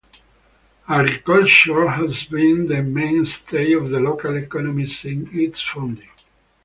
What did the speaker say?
Agriculture has been the mainstay of the local economy since its founding.